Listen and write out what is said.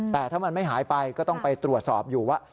แต่ถ้ามันไม่หายไปก็ต้องไปตรวจสอบอยู่ว่า